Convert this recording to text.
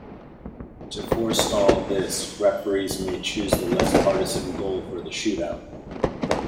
To forestall this, referees may choose the less partisan goal for the shootout.